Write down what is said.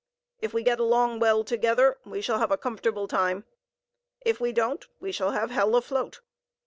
If we get along well together, we shall have a comfortable time; if we don't, we shall have hell afloat.